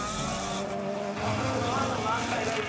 ストレス反応の赤いライト。